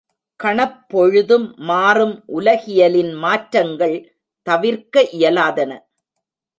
கணப் பொழுதும் மாறும் உலகியலின் மாற்றங்கள் தவிர்க்க இயலாதன.